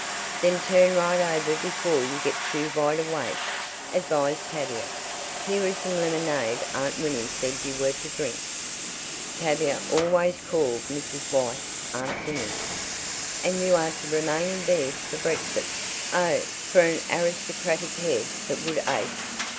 "Then turn right over before you get too wide awake," advised Tavia. "Here is some lemonade Aunt Winnie said you were to drink." Tavia always called Mrs. White Aunt Winnie. "And you are to remain in bed for breakfast. Oh, for an aristocratic head that would ache!